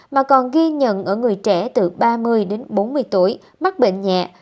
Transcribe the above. mà còn ghi nhận ở người trẻ từ ba mươi đến bốn mươi tuổi mắc bệnh nhẹ